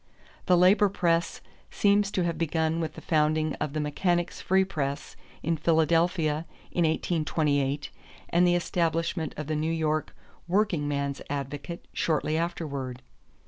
The labor press seems to have begun with the founding of the Mechanics' Free Press in Philadelphia in 1828 and the establishment of the New York Workingman's Advocate shortly afterward.